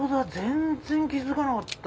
全然気付かなかった。